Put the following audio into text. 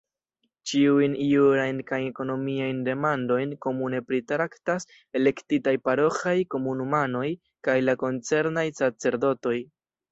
Ĉiujn jurajn kaj ekonomiajn demandojn komune pritraktas elektitaj paroĥaj komunumanoj kaj la koncernaj sacerdotoj.